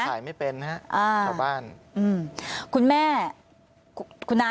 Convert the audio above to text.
ถ่ายไม่เป็นครับของบ้าน